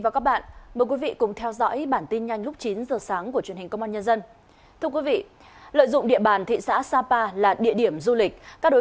cảm ơn các bạn đã theo dõi